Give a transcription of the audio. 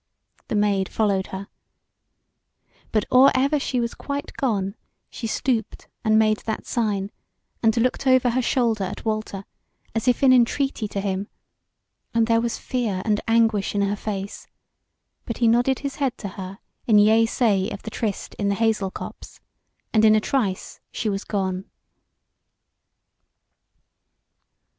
The Maid followed her; but or ever she was quite gone, she stooped and made that sign, and looked over her shoulder at Walter, as if in entreaty to him, and there was fear and anguish in her face; but he nodded his head to her in yea say of the tryst in the hazel copse, and in a trice she was gone.